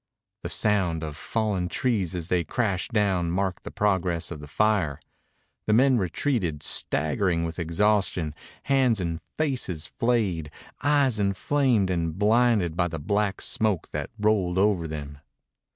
The sound of falling trees as they crashed down marked the progress of the fire. The men retreated, staggering with exhaustion, hands and faces flayed, eyes inflamed and blinded by the black smoke that rolled over them.